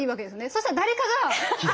そしたら誰かが。